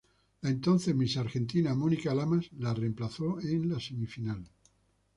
La entonces Miss Argentina Mónica Lamas, la reemplazó en la semifinal.